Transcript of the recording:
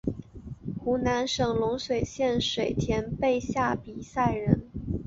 湖南省龙山县水田坝下比寨人。